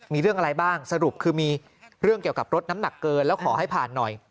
มีเรื่องอะไรบ้างสรุปคือมีเรื่องเกี่ยวกับรถน้ำหนักเกินแล้วขอให้ผ่านหน่อย